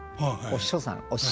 お師匠さん。